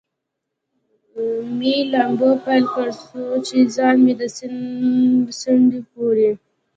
مې لامبو پیل کړ، څو چې ځان مې د سیند څنډې پورې.